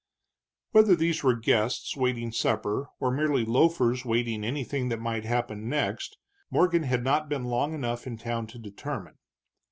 Whether these were guests waiting supper, or merely loafers waiting anything that might happen next, Morgan had not been long enough in town to determine.